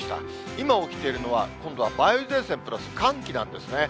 今起きているのは、今度は梅雨前線プラス寒気なんですね。